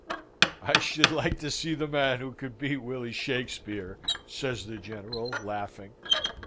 "I should like to see the man who could beat Willy Shakspeare?" says the General, laughing.